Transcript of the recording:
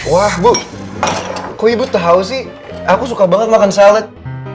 wah bu kok ibu tahu sih aku suka banget makan salad